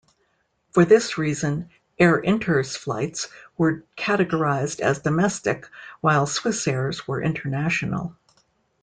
For this reason, Air Inter's flights were categorised as domestic while Swissair's were international.